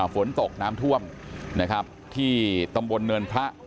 ฝนตกน้ำท่วมนะครับที่ตำบลเนินพระ